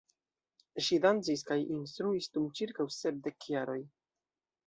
Ŝi dancis kaj instruis dum ĉirkaŭ sepdek jaroj.